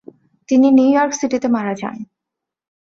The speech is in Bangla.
তিনি নিউইয়র্ক সিটিতে মারা যান।